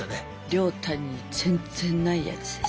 亮太に全然ないやつです。